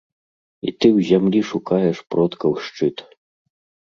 І ты ў зямлі шукаеш продкаў шчыт.